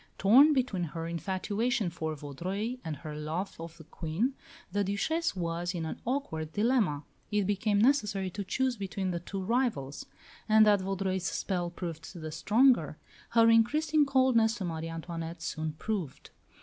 Torn between her infatuation for Vaudreuil and her love of the Queen, the Duchesse was in an awkward dilemma. It became necessary to choose between the two rivals; and that Vaudreuil's spell proved the stronger, her increasing coldness to Marie Antoinette soon proved.